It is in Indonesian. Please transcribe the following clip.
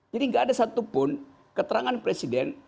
jadi nggak ada satupun keterangan presiden